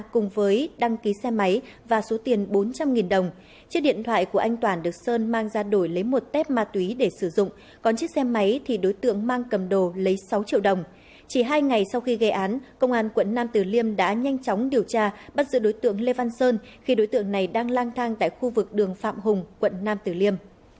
các bạn hãy đăng ký kênh để ủng hộ kênh của chúng mình nhé